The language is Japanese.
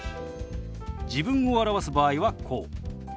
自分を表す場合はこう。